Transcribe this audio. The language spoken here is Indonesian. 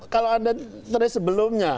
kalau anda terlihat sebelumnya